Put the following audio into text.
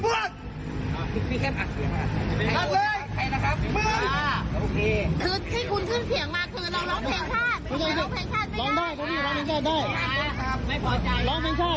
คือที่คุณขึ้นเสียงมาคือเราร้องเพลงชาติไหม